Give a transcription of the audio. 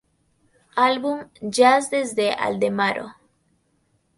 Álbum "Jazz desde Aldemaro